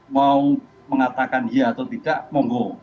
mau mengatakan ya atau tidak mau go